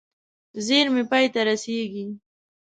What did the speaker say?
زېرمې پای ته رسېږي.